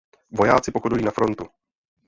Vojáci pochodují na frontu.